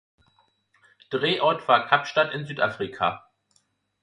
Drehort war Kapstadt in Südafrika.